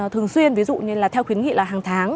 thường xuyên ví dụ như là theo khuyến nghị là hàng tháng